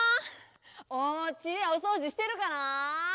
おうちでおそうじしてるかなあ？